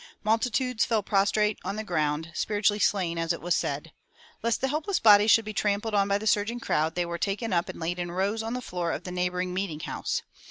Multitudes fell prostrate on the ground, "spiritually slain," as it was said. Lest the helpless bodies should be trampled on by the surging crowd, they were taken up and laid in rows on the floor of the neighboring meeting house.